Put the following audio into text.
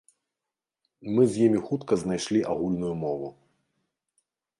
Мы з імі хутка знайшлі агульную мову.